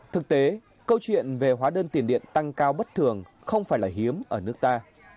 thực tế câu chuyện về hóa đơn tiền điện tăng cao bất thường không phải là hiếm ở nước ta